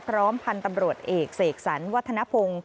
พร้อมพันธ์ตำรวจเอกเสกสรรวัฒนภง